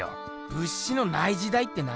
「物資のない時代」って何？